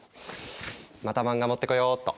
また漫画持ってこよっと。